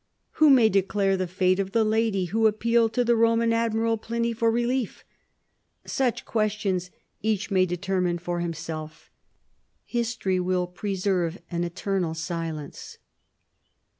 Who may declare the fate of the lady who appealed to the Roman admiral Pliny for relief? Such questions each may determine for himself. History will preserve an eternal silence.